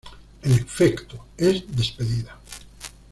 En efecto, es despedida.